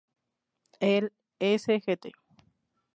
El Sgt.